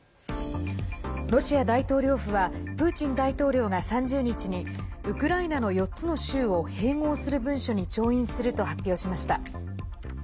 ロシア大統領府はプーチン大統領が３０日にウクライナの４つの州を併合する文書に調印すると発表しました。